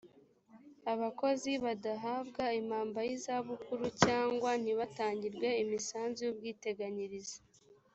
abakozi badahabwa impamba y izabukuru cyangwa ntibatangirwe imisanzu y ubwiteganyirize